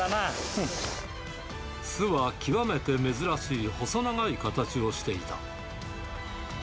巣は極めて珍しい細長い形をしていた。